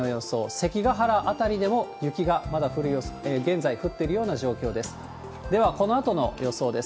関ヶ原辺りでも雪がまだ現在、降ってるような状況です。